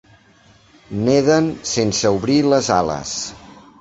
Neden sense obrir les ales.